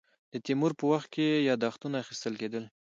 د تیمور په وخت کې یاداښتونه اخیستل کېدل.